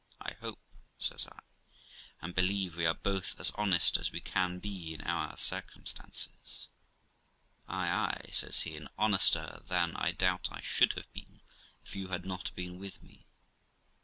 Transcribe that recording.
I hope', says I, 'and believe, we are both as honest as we can be in our circumstances.' ' Ay, ay ', says he ;' and honester than I doubt I should have been if you had not been with me.